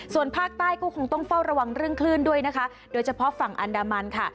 ส่วนภาคใต้ก็คงต้องเฝ้าระวังเรื่องคลื่นด้วยนะคะโดยเฉพาะฝั่งอันดามันค่ะ